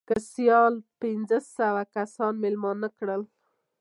که سیال به پنځه سوه کسان مېلمانه کړل.